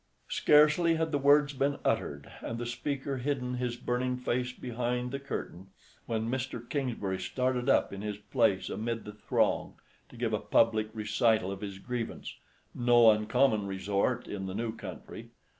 Scarcely had the words been uttered, and the speaker hidden his burning face behind the curtain, when Mr. Kingsbury started up in his place amid the throng, to give a public recital of his grievance—no uncommon resort in the new country.